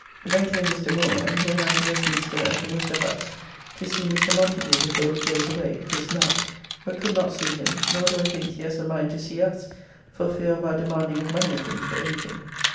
Then came Mr. Moore, and he and I to Westminster and to Worcester House to see Mr. Montagu before he goes away (this night), but could not see him, nor do I think he has a mind to see us for fear of our demanding of money of him for anything.